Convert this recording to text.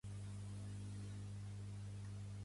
Jaume Huguet va ser un pintor gòtic nascut a Valls.